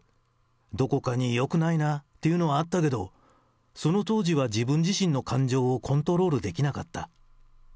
どこかによくないなっていうのはあったけど、その当時は自分自身の感情をコントロールできなかった。